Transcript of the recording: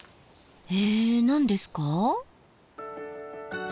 え何ですか？